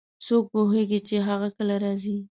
څوک پوهیږي چې هغه کله راځي